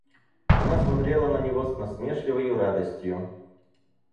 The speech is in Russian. Она смотрела на него с насмешливою радостью.